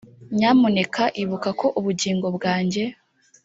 nyamuneka ibuka ko ubugingo bwanjye